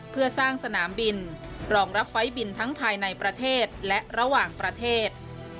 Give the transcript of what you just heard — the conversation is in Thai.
เพื่อสร้างสนามบินรองรับไฟล์บินทั้งภายในประเทศและระหว่างประเทศ